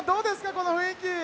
この雰囲気。